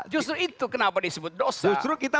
justru itu kenapa disebut dosa justru kita